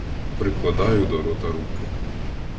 Прикладаю до рота руки.